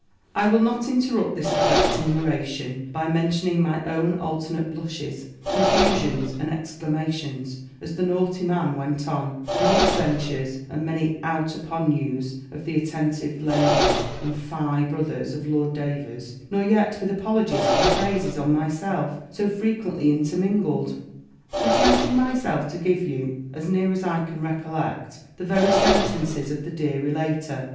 I will not interrupt this affecting narration, by mentioning my own alternate blushes, confusions, and exclamations, as the naughty man went on; nor the censures, and many Out upon you's of the attentive ladies, and Fie, brother's, of Lord Davers; nor yet with apologies for the praises on myself, so frequently intermingled contenting myself to give you, as near as I can recollect, the very sentences of the dear relator.